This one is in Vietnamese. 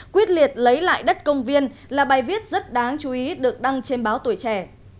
quyết liệt lấy lại đất công viên là bài viết rất đáng chú ý được đăng trên báo tuổi trẻ